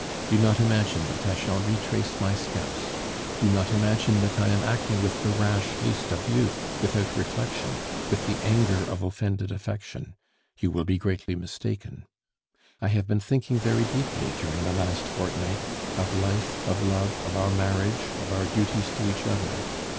"Do not imagine that I shall retrace my steps. Do not imagine that I am acting with the rash haste of youth, without reflection, with the anger of offended affection; you will be greatly mistaken. "I have been thinking very deeply during the last fortnight of life, of love, of our marriage, of our duties to each other.